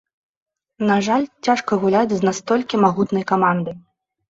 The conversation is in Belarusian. На жаль, цяжка гуляць з настолькі магутнай камандай.